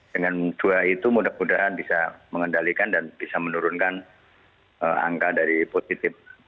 dengan dua itu mudah mudahan bisa mengendalikan dan bisa menurunkan angka dari positif